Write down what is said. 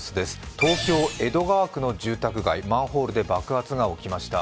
東京・江戸川区の住宅街マンホールで爆発が起きました。